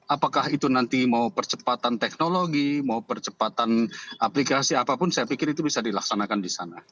apakah itu nanti mau percepatan teknologi mau percepatan aplikasi apapun saya pikir itu bisa dilaksanakan di sana